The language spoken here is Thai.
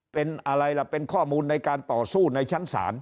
เป็นอะไรล่ะเป็นข้อมูลในการต่อสู้ในชั้นศาล